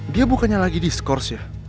dia bukannya lagi di skors ya